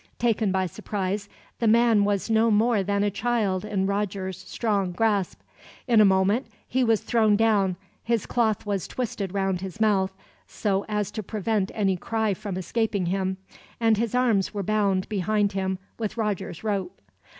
Taken by surprise, the man was no more than a child in Roger's strong grasp. In a moment he was thrown down, his cloth was twisted round his mouth, so as to prevent any cry from escaping him, and his arms were bound behind him with Roger's rope.